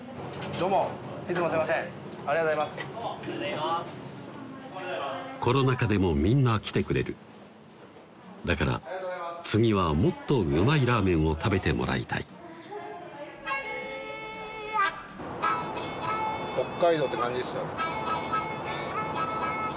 どうもありがとうございますコロナ禍でもみんな来てくれるだから次はもっとうまいラーメンを食べてもらいたい北海道って感じですよ